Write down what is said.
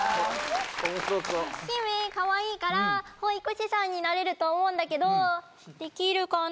ヒメかわいいから保育士さんになれると思うんだけどできるかな？